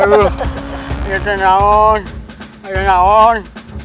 saya juga tadi sakit